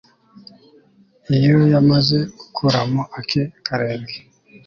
iyo yamaze gukuramo ake karenge